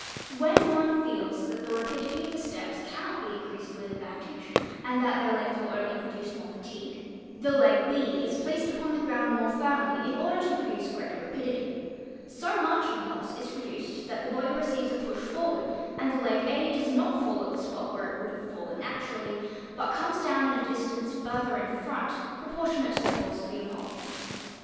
When one feels that the rapidity of the steps cannot be increased with advantage, and that their length will only produce more fatigue, the leg B is placed upon the ground more firmly in order to produce greater rapidity ; so much impulse is produced that the body receives a push forward and the 'leg A does not fall at the spot where it would have fallen naturally, but comes down at a distance further in front proportionate to the force of "the impulsion.